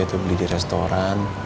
atau beli di restoran